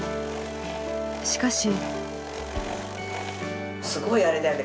しかし。